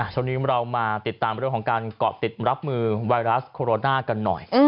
ช่วงนี้เรามาติดตามเรื่องของการเกาะติดรับมือไวรัสโคโรนากันหน่อย